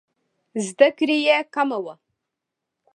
زده کړې یې کمه وه.